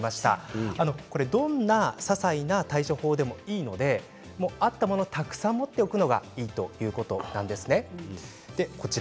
どんなささいな対処法でもいいのでたくさん持っておくのがいいということなんですね。